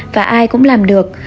và ai cũng làm được